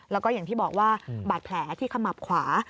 แล้วก็อย่างที่บอกว่าบาดแผลที่ขมับขวา